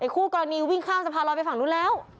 คู่กรณีวิ่งข้ามสะพานลอยไปฝั่งนู้นแล้ว